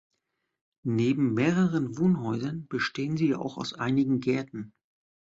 Neben mehreren Wohnhäusern bestehen sie auch aus einigen Gärten.